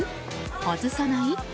外さない？